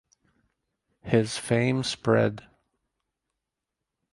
His fame spread.